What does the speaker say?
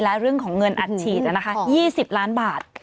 และเรื่องของเงินอัดฉีด๒๐ล้านบาท